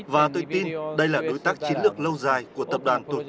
và tôi tin đây là đối tác chiến lược lâu dài của tổng thống